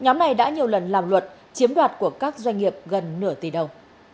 nhóm này đã nhiều lần làm luật chiếm đoạt của các doanh nghiệp gần nửa tỷ đầu